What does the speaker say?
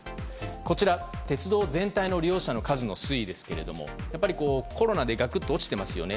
こちら、鉄道全体の利用者の数の推移ですけどコロナでガクッと落ちていますよね。